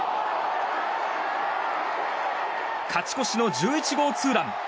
勝ち越しの１１号ツーラン！